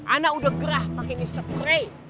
ana udah gerah pake ini spray